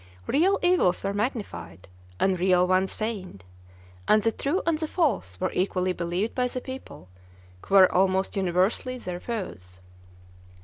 Real evils were magnified, unreal ones feigned, and the true and the false were equally believed by the people, who were almost universally their foes.